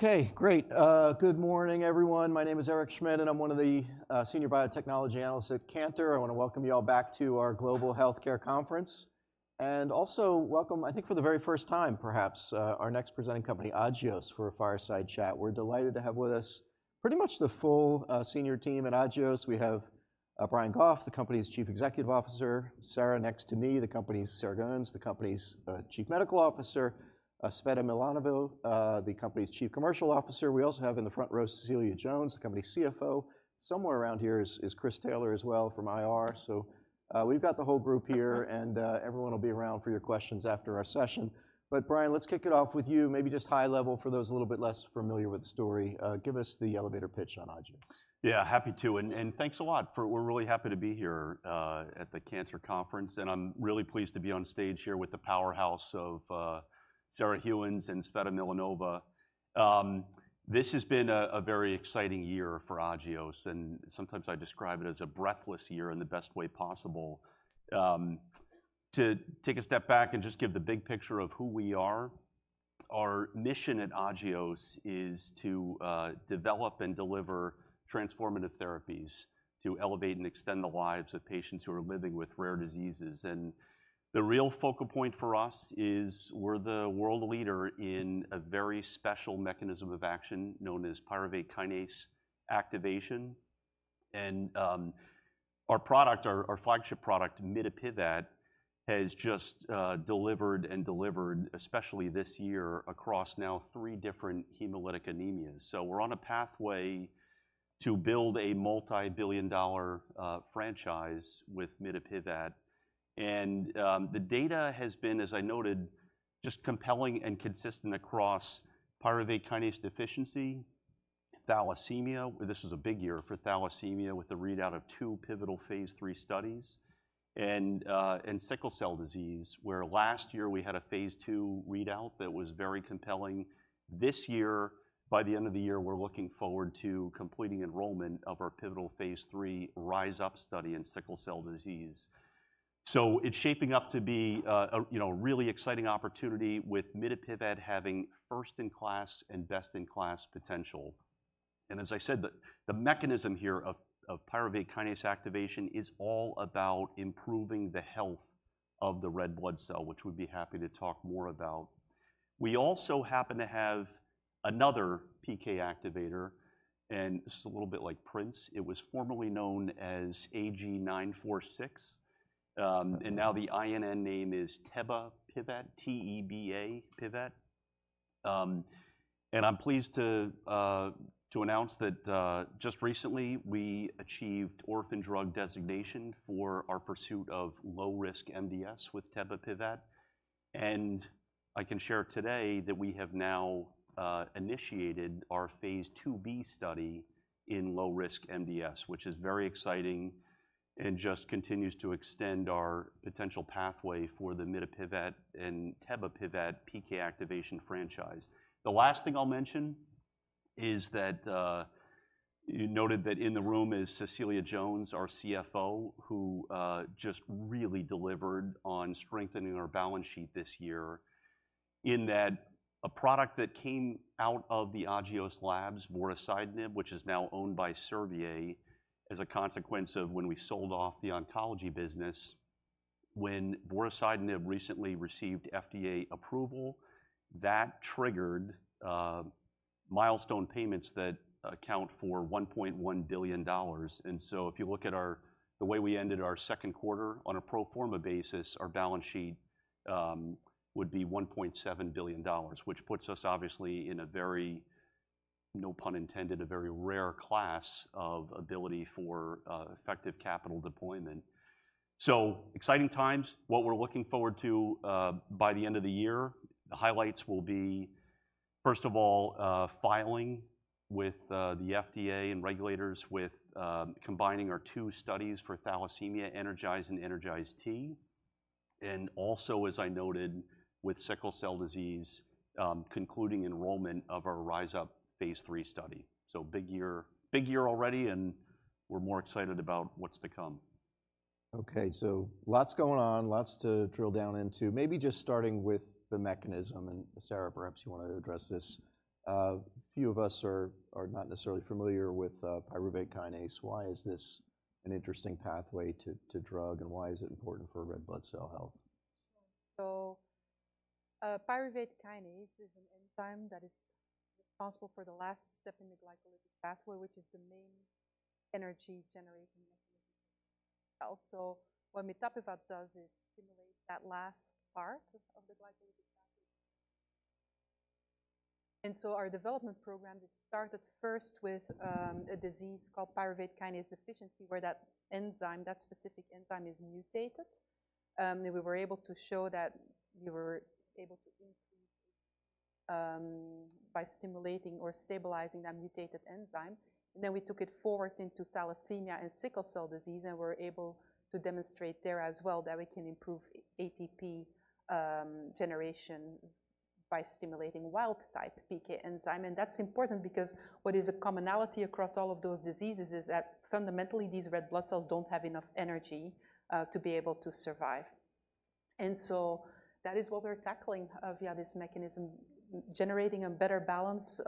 Okay, great. Good morning, everyone. My name is Eric Schmidt, and I'm one of the Senior Biotechnology Analysts at Cantor. I want to welcome you all back to our Global Healthcare Conference, and also welcome, I think, for the very first time perhaps, our next presenting company, Agios, for a fireside chat. We're delighted to have with us pretty much the full senior team at Agios. We have Brian Goff, the company's Chief Executive Officer. Sarah next to me, the company's Sarah Gheuens, the company's Chief Medical Officer. Tsveta Milanova, the company's Chief Commercial Officer. We also have in the front row, Cecilia Jones, the company's CFO. Somewhere around here is Chris Taylor as well from IR. So, we've got the whole group here, and everyone will be around for your questions after our session. But Brian, let's kick it off with you, maybe just high level for those a little bit less familiar with the story. Give us the elevator pitch on Agios. Yeah, happy to, and thanks a lot. We're really happy to be here at the Cantor conference, and I'm really pleased to be on stage here with the powerhouse of Sarah Gheuens and Tsveta Milanova. This has been a very exciting year for Agios, and sometimes I describe it as a breathless year in the best way possible. To take a step back and just give the big picture of who we are, our mission at Agios is to develop and deliver transformative therapies to elevate and extend the lives of patients who are living with rare diseases. And the real focal point for us is we're the world leader in a very special mechanism of action, known as pyruvate kinase activation. Our product, our flagship product, mitapivat, has just delivered and delivered, especially this year, across now three different hemolytic anemias. We're on a pathway to build a multi-billion-dollar franchise with mitapivat. The data has been, as I noted, just compelling and consistent across pyruvate kinase deficiency, thalassemia, where this is a big year for thalassemia, with the readout of two pivotal phase III studies, and sickle cell disease, where last year we had a phase II readout that was very compelling. This year, by the end of the year, we're looking forward to completing enrollment of our pivotal phase III RISE-UP study in sickle cell disease. It's shaping up to be a you know really exciting opportunity with mitapivat having first-in-class and best-in-class potential. And as I said, the mechanism here of pyruvate kinase activation is all about improving the health of the red blood cell, which we'd be happy to talk more about. We also happen to have another PK activator, and this is a little bit like Prince. It was formerly known as AG-946, and now the INN name is tebapivat, T-E-B-A-P-I-V-A-T. And I'm pleased to announce that just recently, we achieved orphan drug designation for our pursuit of low-risk MDS with tebapivat. I can share today that we have now initiated our phase IIB study in low-risk MDS, which is very exciting and just continues to extend our potential pathway for the mitapivat and tebapivat PK activation franchise. The last thing I'll mention is that, you noted that in the room is Cecilia Jones, our CFO, who, just really delivered on strengthening our balance sheet this year in that a product that came out of the Agios Labs, vorasidenib, which is now owned by Servier, as a consequence of when we sold off the oncology business. When vorasidenib recently received FDA approval, that triggered, milestone payments that account for $1.1 billion. And so if you look at our... The way we ended our second quarter, on a pro forma basis, our balance sheet, would be $1.7 billion, which puts us obviously in a very, no pun intended, a very rare class of ability for, effective capital deployment. So exciting times. What we're looking forward to by the end of the year, the highlights will be, first of all, filing with the FDA and regulators with combining our two studies for thalassemia, ENERGIZE and ENERGIZE-T. And also, as I noted, with sickle cell disease, concluding enrollment of our RISE-UP phase III study. So big year, big year already, and we're more excited about what's to come. Okay, so lots going on, lots to drill down into. Maybe just starting with the mechanism, and Sarah, perhaps you want to address this. A few of us are not necessarily familiar with pyruvate kinase. Why is this an interesting pathway to drug, and why is it important for red blood cell health? So, pyruvate kinase is an enzyme that is responsible for the last step in the glycolytic pathway, which is the main energy-generating mechanism. Also, what mitapivat does is stimulate that last part of the glycolytic pathway. And so our development program, it started first with a disease called pyruvate kinase deficiency, where that enzyme, that specific enzyme, is mutated. And we were able to show that we were able to increase by stimulating or stabilizing that mutated enzyme. And then we took it forward into thalassemia and sickle cell disease, and we were able to demonstrate there as well that we can improve ATP generation by stimulating wild-type PK enzyme. And that's important because what is a commonality across all of those diseases is that fundamentally, these red blood cells don't have enough energy to be able to survive. And so that is what we're tackling via this mechanism, generating a better balance,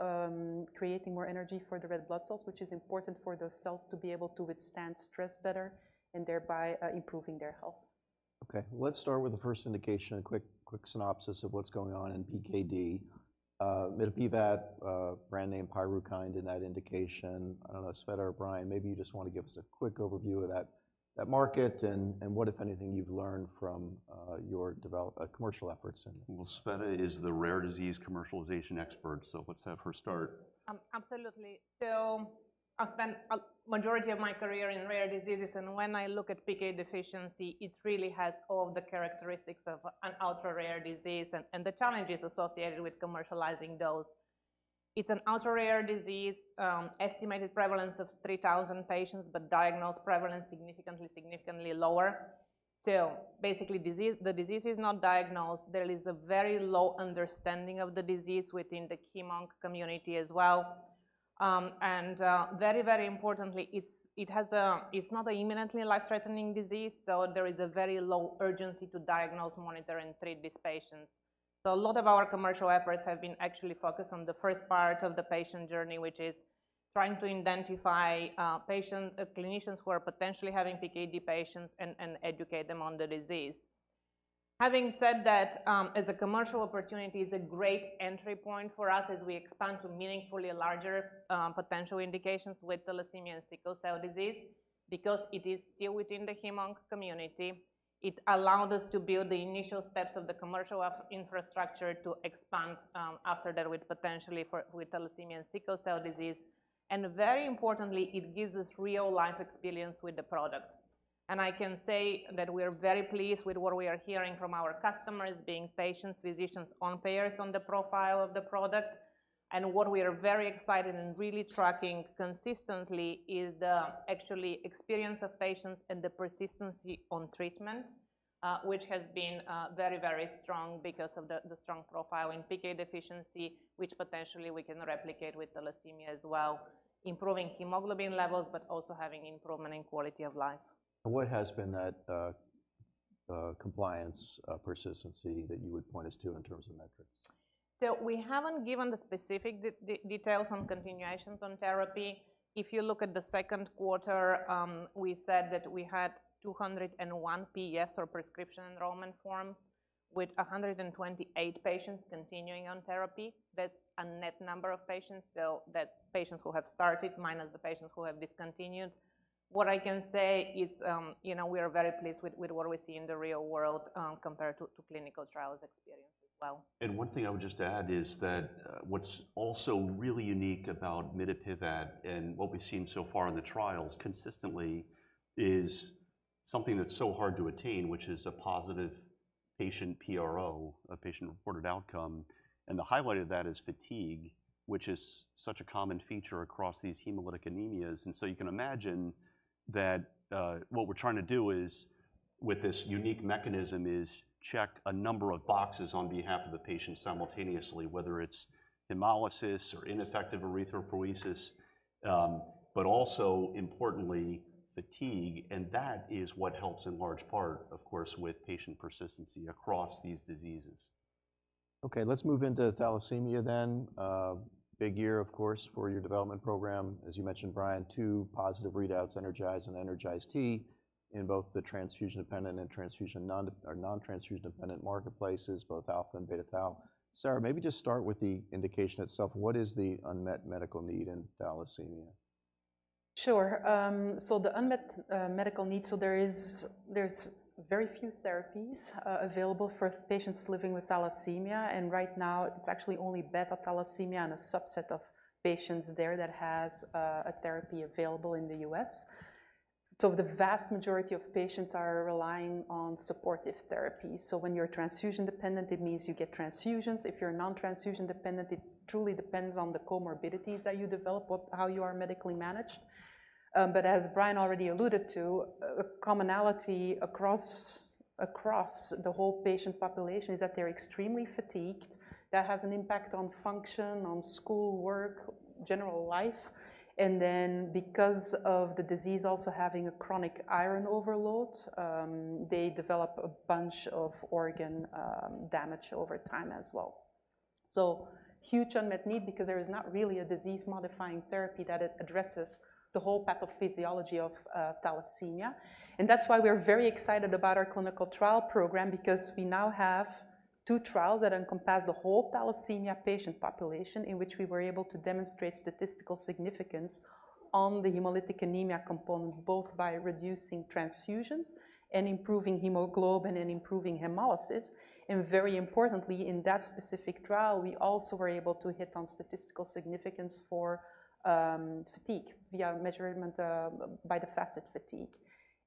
creating more energy for the red blood cells, which is important for those cells to be able to withstand stress better and thereby improving their health. Okay, let's start with the first indication, a quick, quick synopsis of what's going on in PKD. Mitapivat, brand name PYRUKYND in that indication. I don't know, Tsveta or Brian, maybe you just want to give us a quick overview of that market and what, if anything, you've learned from your commercial efforts in- Tsveta is the rare disease commercialization expert, so let's have her start. Absolutely. So I've spent a majority of my career in rare diseases, and when I look at PK deficiency, it really has all of the characteristics of an ultra-rare disease and the challenges associated with commercializing those. It's an ultra-rare disease, estimated prevalence of three thousand patients, but diagnosed prevalence significantly lower. So basically, disease, the disease is not diagnosed. There is a very low understanding of the disease within the Hem/Onc community as well. And very importantly, it's not an imminently life-threatening disease, so there is a very low urgency to diagnose, monitor, and treat these patients. So a lot of our commercial efforts have been actually focused on the first part of the patient journey, which is trying to identify clinicians who are potentially having PKD patients and educate them on the disease. Having said that, as a commercial opportunity, it's a great entry point for us as we expand to meaningfully larger potential indications with thalassemia and sickle cell disease. Because it is still within the Hem/Onc community, it allowed us to build the initial steps of the commercial infrastructure to expand after that with thalassemia and sickle cell disease. And very importantly, it gives us real-life experience with the product. And I can say that we're very pleased with what we are hearing from our customers, being patients, physicians, and payers on the profile of the product. And what we are very excited and really tracking consistently is the actual experience of patients and the persistency on treatment, which has been very, very strong because of the strong profile in PK deficiency, which potentially we can replicate with thalassemia as well, improving hemoglobin levels, but also having improvement in quality of life. What has been that compliance, persistency that you would point us to in terms of metrics? So we haven't given the specific details on continuations on therapy. If you look at the second quarter, we said that we had 201 PEFs or prescription enrollment forms with 128 patients continuing on therapy. That's a net number of patients, so that's patients who have started minus the patients who have discontinued. What I can say is, you know, we are very pleased with what we see in the real world, compared to clinical trials experience as well. And one thing I would just add is that, what's also really unique about mitapivat and what we've seen so far in the trials consistently is something that's so hard to attain, which is a positive patient PRO, a patient-reported outcome, and the highlight of that is fatigue, which is such a common feature across these hemolytic anemias. And so you can imagine that, what we're trying to do is, with this unique mechanism, is check a number of boxes on behalf of the patient simultaneously, whether it's hemolysis or ineffective erythropoiesis, but also importantly, fatigue, and that is what helps in large part, of course, with patient persistency across these diseases. Okay, let's move into thalassemia then. Big year, of course, for your development program. As you mentioned, Brian, two positive readouts, ENERGIZE and ENERGIZE-T, in both the transfusion-dependent and non-transfusion-dependent marketplaces, both alpha and beta thal. Sarah, maybe just start with the indication itself. What is the unmet medical need in thalassemia? Sure. So the unmet medical needs, so there's very few therapies available for patients living with thalassemia, and right now it's actually only beta thalassemia and a subset of patients there that has a therapy available in the U.S. So the vast majority of patients are relying on supportive therapy. So when you're transfusion dependent, it means you get transfusions. If you're a non-transfusion dependent, it truly depends on the comorbidities that you develop of how you are medically managed. But as Brian already alluded to, a commonality across the whole patient population is that they're extremely fatigued. That has an impact on function, on schoolwork, general life, and then because of the disease also having a chronic iron overload, they develop a bunch of organ damage over time as well. So huge unmet need because there is not really a disease-modifying therapy that it addresses the whole pathophysiology of thalassemia. And that's why we're very excited about our clinical trial program because we now have two trials that encompass the whole thalassemia patient population, in which we were able to demonstrate statistical significance on the hemolytic anemia component, both by reducing transfusions and improving hemoglobin and improving hemolysis. And very importantly, in that specific trial, we also were able to hit on statistical significance for fatigue via measurement by the FACIT-Fatigue.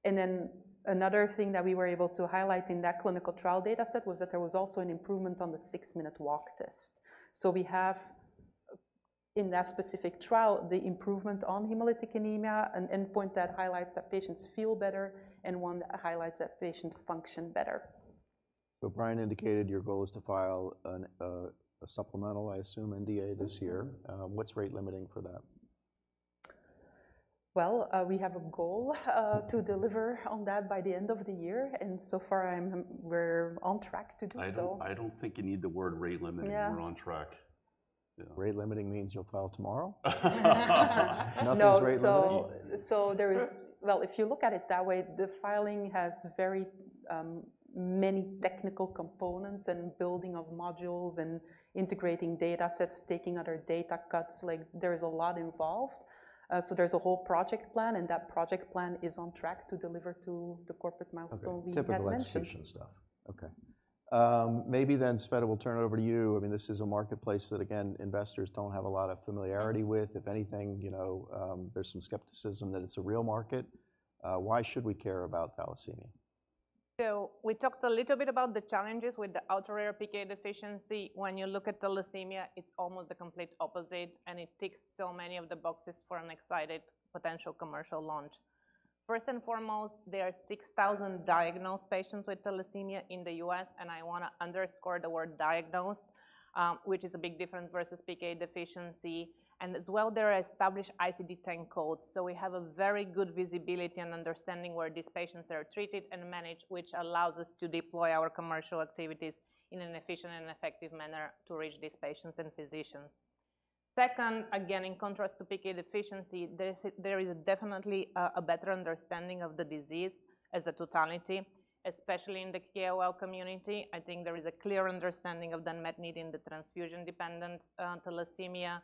And then another thing that we were able to highlight in that clinical trial data set was that there was also an improvement on the six-minute walk test. We have, in that specific trial, the improvement on hemolytic anemia, an endpoint that highlights that patients feel better and one that highlights that patient function better. Brian indicated your goal is to file a supplemental, I assume, NDA this year. Mm-hmm. What's rate limiting for that? ... We have a goal to deliver on that by the end of the year, and so far, we're on track to do so. I don't think you need the word rate limiting- Yeah. We're on track. Yeah. Rate limiting means you'll file tomorrow? Nothing's rate limiting. No, so there is. Well, if you look at it that way, the filing has very many technical components and building of modules and integrating data sets, taking other data cuts, like there is a lot involved. So there's a whole project plan, and that project plan is on track to deliver to the corporate milestone we had mentioned. Okay, typical execution stuff. Okay. Maybe then, Tsveta, we'll turn it over to you. I mean, this is a marketplace that, again, investors don't have a lot of familiarity with. If anything, you know, there's some skepticism that it's a real market. Why should we care about thalassemia? So we talked a little bit about the challenges with the ultra-rare PK deficiency. When you look at thalassemia, it's almost the complete opposite, and it ticks so many of the boxes for an excited potential commercial launch. First and foremost, there are 6,000 diagnosed patients with thalassemia in the U.S., and I wanna underscore the word diagnosed, which is a big difference versus PK deficiency. And as well, there are established ICD-10 codes, so we have a very good visibility and understanding where these patients are treated and managed, which allows us to deploy our commercial activities in an efficient and effective manner to reach these patients and physicians. Second, again, in contrast to PK deficiency, there is definitely a better understanding of the disease as a totality, especially in the KOL community. I think there is a clear understanding of the unmet need in the transfusion-dependent thalassemia.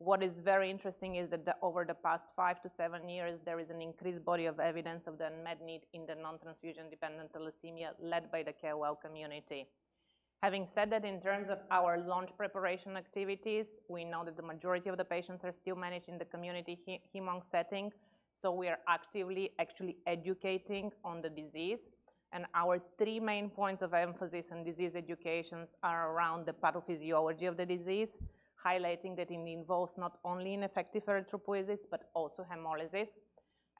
What is very interesting is that over the past five to seven years, there is an increased body of evidence of the unmet need in the non-transfusion-dependent thalassemia, led by the KOL community. Having said that, in terms of our launch preparation activities, we know that the majority of the patients are still managed in the community hematology setting, so we are actively actually educating on the disease, and our three main points of emphasis on disease education are around the pathophysiology of the disease, highlighting that it involves not only ineffective erythropoiesis, but also hemolysis.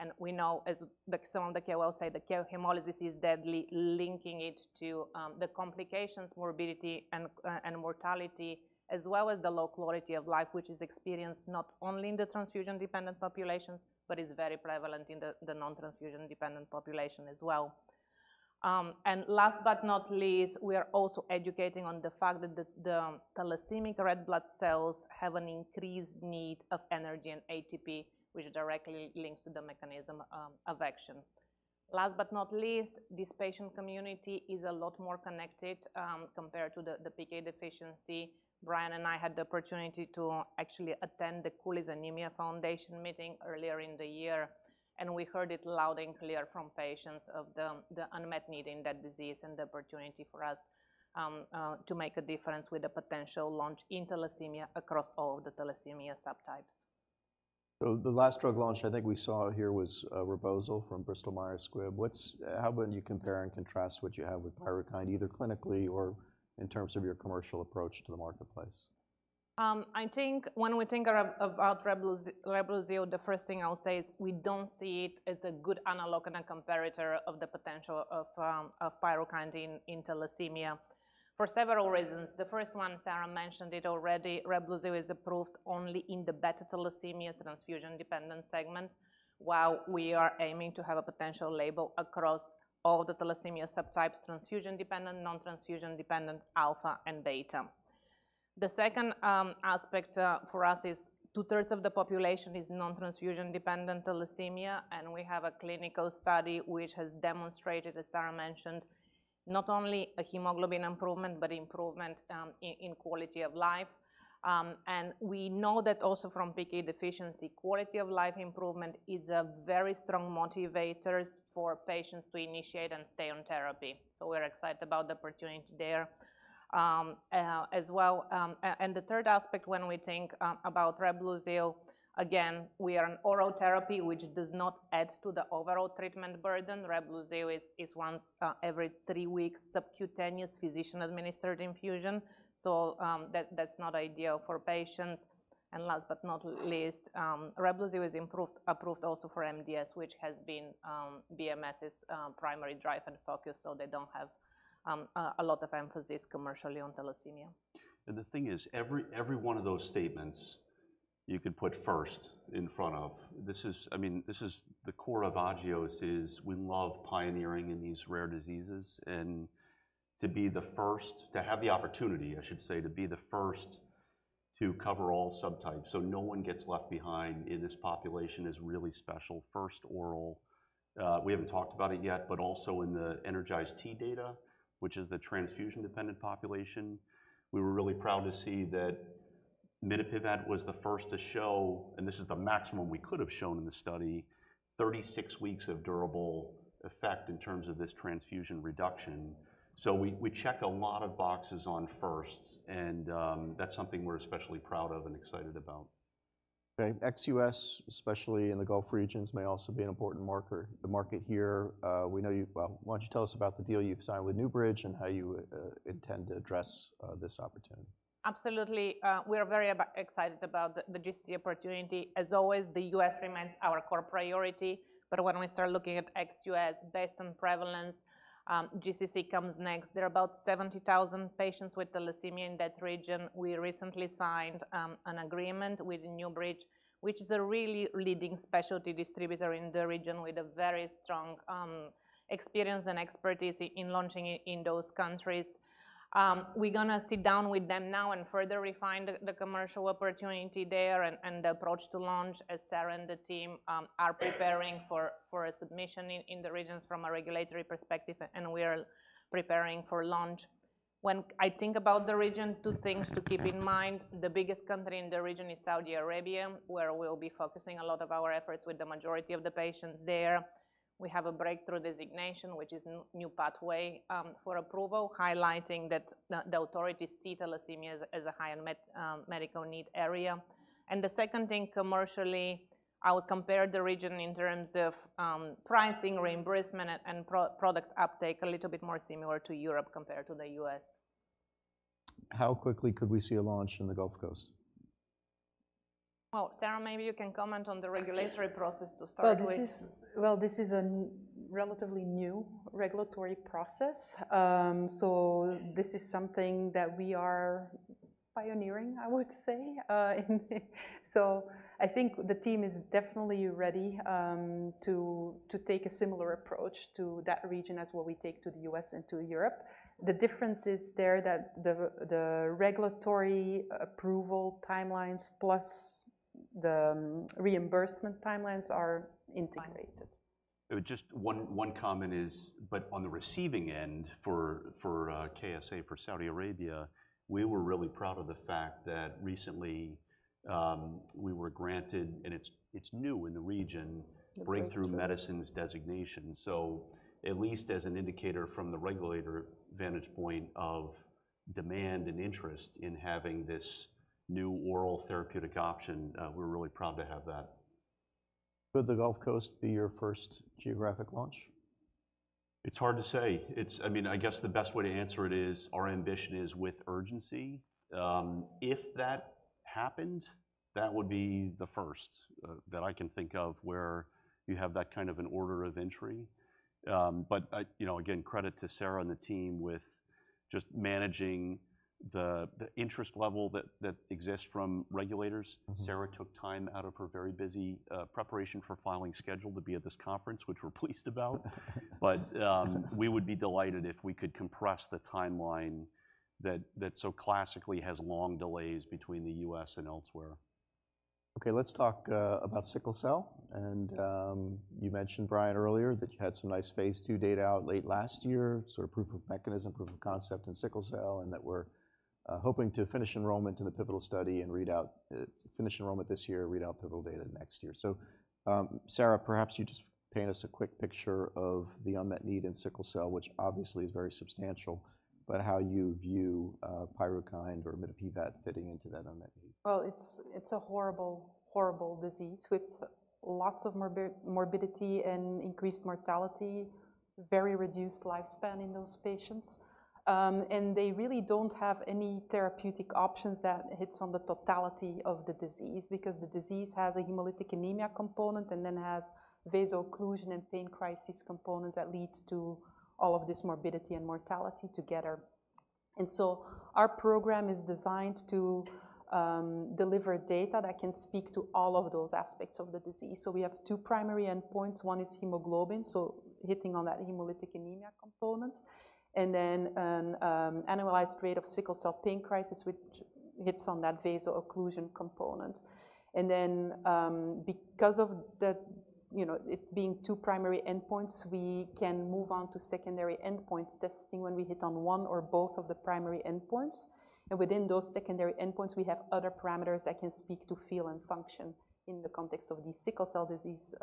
And we know, as some of the KOLs say, hemolysis is deadly, linking it to the complications, morbidity, and mortality, as well as the low quality of life, which is experienced not only in the transfusion-dependent populations, but is very prevalent in the non-transfusion dependent population as well. And last but not least, we are also educating on the fact that the thalassemia red blood cells have an increased need of energy and ATP, which directly links to the mechanism of action. Last but not least, this patient community is a lot more connected compared to the PK deficiency. Brian and I had the opportunity to actually attend the Cooley's Anemia Foundation meeting earlier in the year, and we heard it loud and clear from patients of the unmet need in that disease, and the opportunity for us to make a difference with the potential launch in thalassemia across all the thalassemia subtypes. So the last drug launch I think we saw here was Reblazyl from Bristol Myers Squibb. What's how would you compare and contrast what you have with Pyrukynd, either clinically or in terms of your commercial approach to the marketplace? I think when we think about Reblazyl, the first thing I'll say is we don't see it as a good analog and a comparator of the potential of Pyrukynd in thalassemia, for several reasons. The first one, Sarah mentioned it already. Reblazyl is approved only in the beta thalassemia transfusion-dependent segment, while we are aiming to have a potential label across all the thalassemia subtypes: transfusion-dependent, non-transfusion-dependent, alpha, and beta. The second aspect for us is two-thirds of the population is non-transfusion-dependent thalassemia, and we have a clinical study which has demonstrated, as Sarah mentioned, not only a hemoglobin improvement, but improvement in quality of life, and we know that also from PK deficiency, quality of life improvement is a very strong motivator for patients to initiate and stay on therapy. We're excited about the opportunity there, as well. The third aspect when we think about Reblozyl, again, we are an oral therapy, which does not add to the overall treatment burden. Reblozyl is once every three weeks, subcutaneous physician-administered infusion, that's not ideal for patients. Last but not least, Reblozyl is approved also for MDS, which has been BMS's primary drive and focus, so they don't have a lot of emphasis commercially on thalassemia. The thing is, every, every one of those statements you could put first in front of. This is, I mean, this is the core of Agios, is we love pioneering in these rare diseases, and to be the first, to have the opportunity, I should say, to be the first to cover all subtypes so no one gets left behind in this population is really special. First oral, we haven't talked about it yet, but also in the ENERGIZE-T data, which is the transfusion-dependent population, we were really proud to see that mitapivat was the first to show, and this is the maximum we could have shown in the study, 36 weeks of durable effect in terms of this transfusion reduction. So we, we check a lot of boxes on firsts, and, that's something we're especially proud of and excited about. ... Okay, ex-U.S., especially in the Gulf regions, may also be an important marker. The market here, we know you. Well, why don't you tell us about the deal you've signed with NewBridge and how you intend to address this opportunity? Absolutely. We are very excited about the GCC opportunity. As always, the U.S. remains our core priority, but when we start looking at ex-U.S. based on prevalence, GCC comes next. There are about 70,000 patients with thalassemia in that region. We recently signed an agreement with NewBridge, which is a really leading specialty distributor in the region with a very strong experience and expertise in launching in those countries. We're gonna sit down with them now and further refine the commercial opportunity there and the approach to launch, as Sarah and the team are preparing for a submission in the regions from a regulatory perspective, and we are preparing for launch. When I think about the region, two things to keep in mind: The biggest country in the region is Saudi Arabia, where we'll be focusing a lot of our efforts with the majority of the patients there. We have a breakthrough designation, which is a new pathway, for approval, highlighting that the authorities see thalassemia as a high unmet medical need area. And the second thing, commercially, I would compare the region in terms of pricing, reimbursement, and product uptake, a little bit more similar to Europe compared to the U.S. How quickly could we see a launch in the Gulf Cooperation Council? Oh, Sarah, maybe you can comment on the regulatory process to start with. This is a relatively new regulatory process. This is something that we are pioneering, I would say, in. I think the team is definitely ready to take a similar approach to that region as what we take to the U.S. and to Europe. The difference is there that the regulatory approval timelines, plus the reimbursement timelines are integrated. Just one comment is, but on the receiving end, for KSA, for Saudi Arabia, we were really proud of the fact that recently we were granted, and it's new in the region. That's right... Breakthrough Medicines Designation. So at least as an indicator from the regulator vantage point of demand and interest in having this new oral therapeutic option, we're really proud to have that. Would the Gulf Coast be your first geographic launch? It's hard to say. I mean, I guess the best way to answer it is, our ambition is with urgency. If that happened, that would be the first that I can think of, where you have that kind of an order of entry. But I, you know, again, credit to Sarah and the team with just managing the interest level that exists from regulators. Mm-hmm. Sarah took time out of her very busy preparation for filing schedule to be at this conference, which we're pleased about. But we would be delighted if we could compress the timeline that so classically has long delays between the U.S. and elsewhere. Okay, let's talk about sickle cell. You mentioned, Brian, earlier that you had some nice phase II data out late last year, sort of proof of mechanism, proof of concept in sickle cell, and that we're hoping to finish enrollment in the pivotal study this year and read out pivotal data next year. Sarah, perhaps you just paint us a quick picture of the unmet need in sickle cell, which obviously is very substantial, but how you view Pyrukynd or mitapivat fitting into that unmet need. It's a horrible, horrible disease with lots of morbidity and increased mortality, very reduced lifespan in those patients, and they really don't have any therapeutic options that hits on the totality of the disease, because the disease has a hemolytic anemia component and then has vaso-occlusion and pain crisis components that lead to all of this morbidity and mortality together. And so our program is designed to deliver data that can speak to all of those aspects of the disease, so we have two primary endpoints. One is hemoglobin, so hitting on that hemolytic anemia component, and then annualized rate of sickle cell pain crisis, which hits on that vaso-occlusion component. And then, because of the, you know, it being two primary endpoints, we can move on to secondary endpoint testing when we hit on one or both of the primary endpoints, and within those secondary endpoints, we have other parameters that can speak to feel and function in the context of the sickle cell disease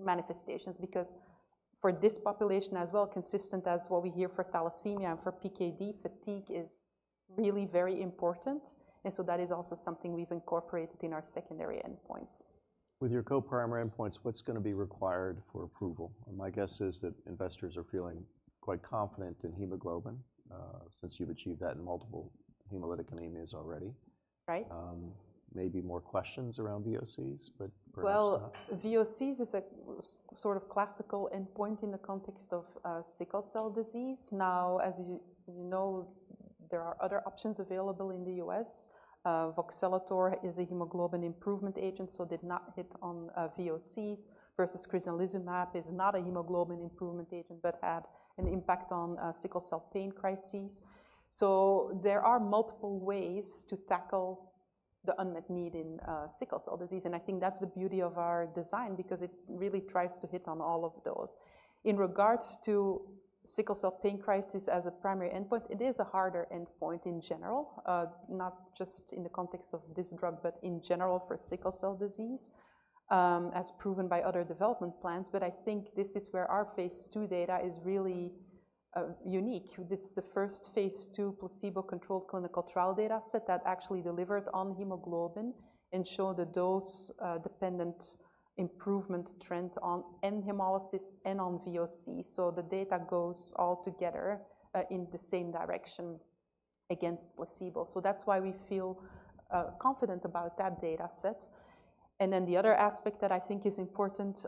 manifestations. Because for this population as well, consistent as what we hear for thalassemia and for PKD, fatigue is really very important, and so that is also something we've incorporated in our secondary endpoints. With your co-primary endpoints, what's gonna be required for approval? My guess is that investors are feeling quite confident in hemoglobin, since you've achieved that in multiple hemolytic anemias already. Right. Maybe more questions around VOCs, but perhaps not. VOCs is a sort of classical endpoint in the context of sickle cell disease. Now, as you know, there are other options available in the U.S. Voxelotor is a hemoglobin improvement agent, so did not hit on VOCs, versus crizanlizumab is not a hemoglobin improvement agent, but had an impact on sickle cell pain crises. So there are multiple ways to tackle the unmet need in sickle cell disease, and I think that's the beauty of our design, because it really tries to hit on all of those. In regards to sickle cell pain crisis as a primary endpoint, it is a harder endpoint in general, not just in the context of this drug, but in general for sickle cell disease. As proven by other development plans, but I think this is where our phase II data is really unique. It's the first phase II placebo-controlled clinical trial data set that actually delivered on hemoglobin and showed a dose dependent improvement trend on end hemolysis and on VOC. So the data goes all together in the same direction against placebo. So that's why we feel confident about that data set. And then the other aspect that I think is important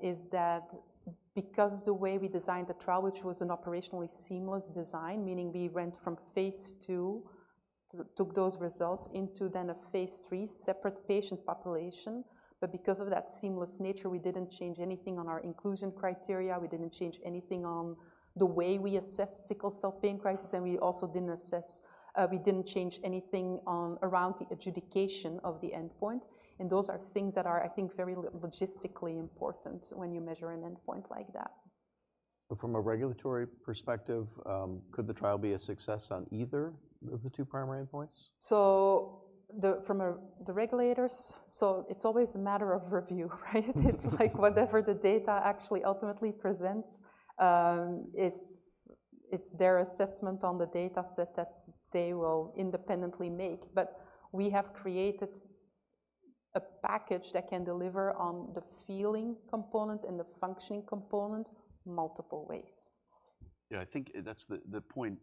is that because the way we designed the trial, which was an operationally seamless design, meaning we went from phase II took those results into then a phase III separate patient population. But because of that seamless nature, we didn't change anything on our inclusion criteria, we didn't change anything on the way we assessed sickle cell pain crisis, and we didn't change anything around the adjudication of the endpoint. And those are things that are, I think, very logistically important when you measure an endpoint like that. But from a regulatory perspective, could the trial be a success on either of the two primary endpoints? So from the regulators, it's always a matter of review, right? It's like whatever the data actually ultimately presents, it's their assessment on the data set that they will independently make. But we have created a package that can deliver on the feeling component and the functioning component multiple ways. Yeah, I think that's the point.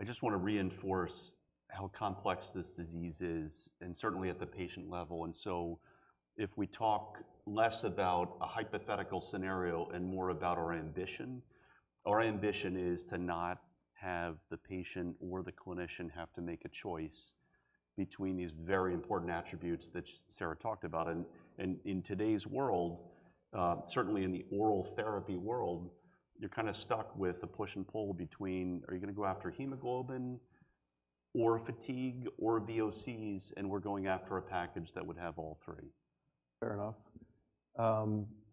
I just want to reinforce how complex this disease is, and certainly at the patient level, and so if we talk less about a hypothetical scenario and more about our ambition, our ambition is to not have the patient or the clinician have to make a choice between these very important attributes that Sarah talked about. And in today's world, certainly in the oral therapy world, you're kinda stuck with the push and pull between, are you gonna go after hemoglobin or fatigue or VOCs? And we're going after a package that would have all three. Fair enough,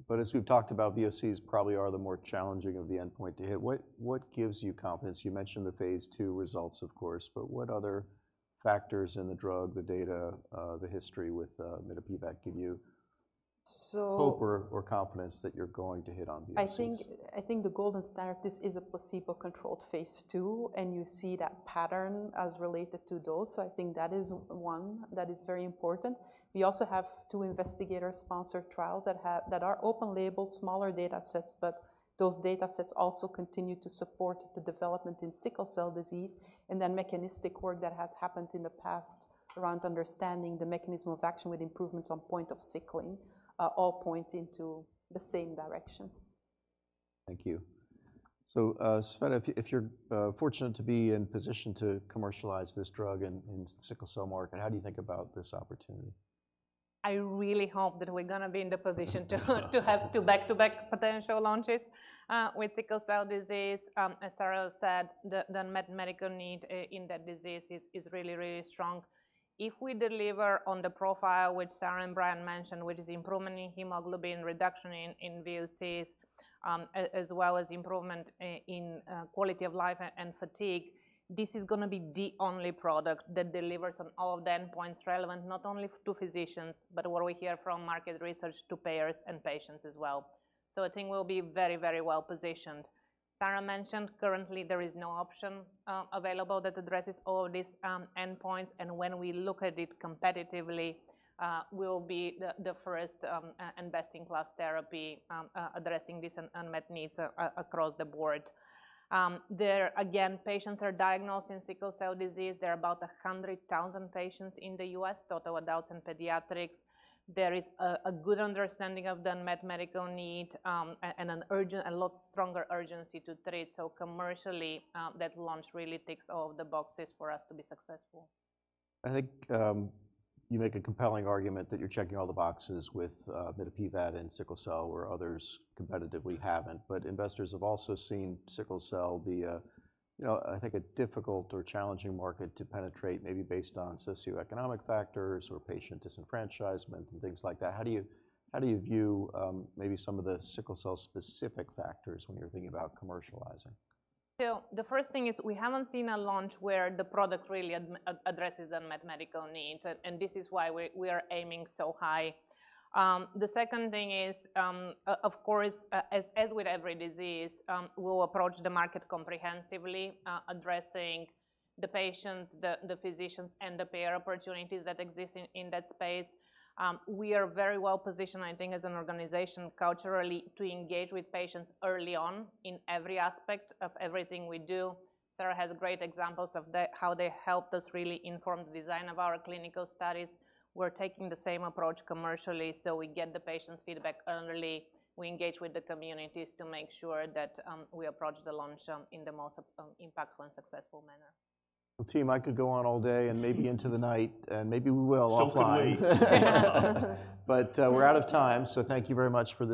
but as we've talked about, VOCs probably are the more challenging of the endpoint to hit. What gives you confidence? You mentioned the phase II results, of course, but what other factors in the drug, the data, the history with mitapivat give you- So- hope or confidence that you're going to hit on VOCs? I think the golden standard, this is a placebo-controlled phase II, and you see that pattern as related to those. So I think that is one that is very important. We also have two investigator-sponsored trials that are open label, smaller data sets, but those data sets also continue to support the development in sickle cell disease, and then mechanistic work that has happened in the past around understanding the mechanism of action with improvements on point of sickling, all pointing to the same direction. Thank you, so, Tsveta, if you're fortunate to be in position to commercialize this drug in the sickle cell market, how do you think about this opportunity? I really hope that we're gonna be in the position to have two back-to-back potential launches with sickle cell disease. As Sarah said, the unmet medical need in that disease is really really strong. If we deliver on the profile, which Sarah and Brian mentioned, which is improvement in hemoglobin, reduction in VOCs, as well as improvement in quality of life and fatigue, this is gonna be the only product that delivers on all of the endpoints relevant, not only to physicians, but what we hear from market research, to payers and patients as well. So I think we'll be very, very well positioned. Sarah mentioned currently there is no option, available that addresses all these, endpoints, and when we look at it competitively, we'll be the first, and best-in-class therapy, addressing these unmet needs across the board. There... Again, patients are diagnosed in sickle cell disease. There are about a hundred thousand patients in the U.S., total adults and pediatrics. There is a good understanding of the unmet medical need, and a lot stronger urgency to treat. So commercially, that launch really ticks all the boxes for us to be successful. I think you make a compelling argument that you're checking all the boxes with mitapivat in sickle cell, where others competitively haven't. But investors have also seen sickle cell be a, you know, I think a difficult or challenging market to penetrate, maybe based on socioeconomic factors or patient disenfranchisement and things like that. How do you view maybe some of the sickle cell-specific factors when you're thinking about commercializing? So the first thing is we haven't seen a launch where the product really addresses the unmet medical needs, and this is why we are aiming so high. The second thing is, of course, as with every disease, we'll approach the market comprehensively, addressing the patients, the physicians, and the payer opportunities that exist in that space. We are very well positioned, I think, as an organization culturally, to engage with patients early on in every aspect of everything we do. Sarah has great examples of how they helped us really inform the design of our clinical studies. We're taking the same approach commercially, so we get the patients' feedback early. We engage with the communities to make sure that we approach the launch in the most impactful and successful manner. Well, team, I could go on all day and maybe into the night, and maybe we will offline. Could we? But, we're out of time, so thank you very much for this.